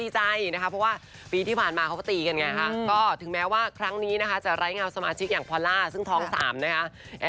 ใช่เหมือนเรื่องท้องน่ะ